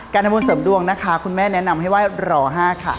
การทำวนเสริมดวงนะคะคุณแม่แนะนำให้ไว้รอห้าค่ะ